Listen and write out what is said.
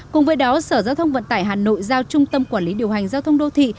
cùng với đó sở giao thông vận tải hà nội giao trung tâm quản lý điều hành giao thông đô thị